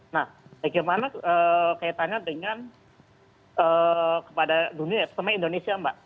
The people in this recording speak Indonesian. nah bagaimana kaitannya dengan kepada dunia terutama indonesia mbak